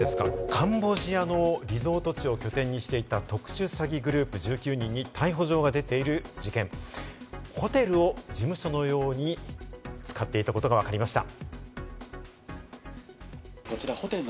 カンボジアのリゾート地を拠点にしていた特殊詐欺グループ１９人に逮捕状が出ている事件、ホテルを事務所のように使っていたことがわかりました。